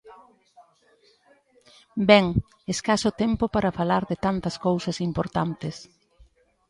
Ben, escaso tempo para falar de tantas cousas importantes.